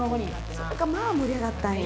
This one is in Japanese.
それがまあ盛り上がったんや。